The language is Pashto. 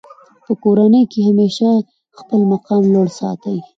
په کورنۍ کښي همېشه خپل مقام لوړ ساتئ!